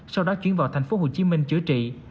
sau đó chuyển vào thành phố hồ chí minh chữa trị